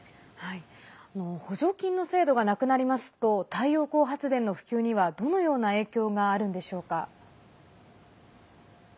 補助金の制度がなくなりますと太陽光発電の普及にはどのような影響があるんでしょうか。